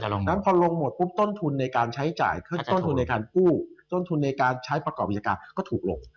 ดังนั้นพอลงหมดปุ๊บต้นทุนในการใช้จ่ายต้นทุนในการกู้ต้นทุนในการใช้ประกอบวิชาการก็ถูกลง